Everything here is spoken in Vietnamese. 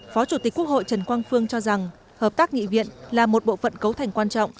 phó chủ tịch quốc hội trần quang phương cho rằng hợp tác nghị viện là một bộ phận cấu thành quan trọng